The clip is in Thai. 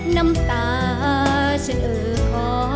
น้ำตาฉันเออขอ